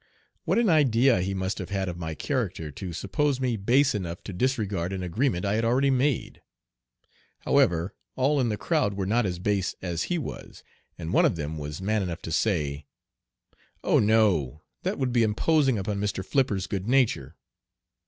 What an idea, he must have had of my character to suppose me base enough to disregard an agreement I had already made! However, all in the crowd were not as base as he was, and one of them was man enough to say: "Oh no! that would be imposing upon Mr. Flipper's good nature."